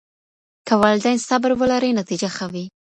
که والدین صبر ولري نتیجه ښه وي.